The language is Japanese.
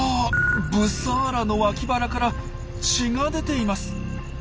ブサーラの脇腹から血が出ています。